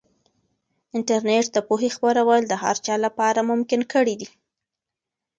انټرنیټ د پوهې خپرول د هر چا لپاره ممکن کړي دي.